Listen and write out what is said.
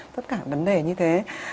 tất cả vấn đề như thế